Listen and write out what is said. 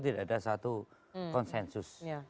tidak ada satu konsensus